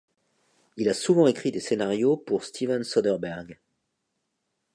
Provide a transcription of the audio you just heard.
Il a souvent écrit des scénarios pour Steven Soderbergh.